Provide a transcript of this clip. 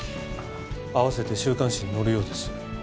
合わせて週刊誌に載るようです。